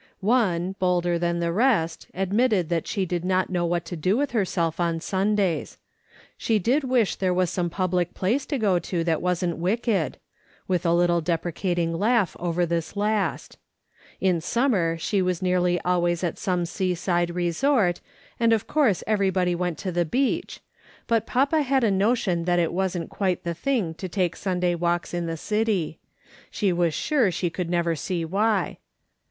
One, bolder than the rest, admitted that she did not know what to do with herself on Sundays. She did wish there was some public place to go to that wasn't wicked — with a little deprecating laugh over this last ; in summer she was nearly always at some seaside resort, and of course everybody went to the beach, but papa had a notion that it wasn't quite the thing to take Sunday walks in the city ; she was sure she could never see why.